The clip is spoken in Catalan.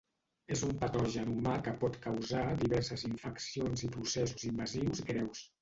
És un patogen humà que pot causar diverses infeccions i processos invasius greus.